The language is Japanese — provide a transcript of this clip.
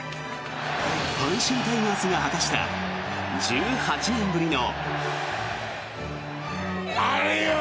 阪神タイガースが果たした１８年ぶりの。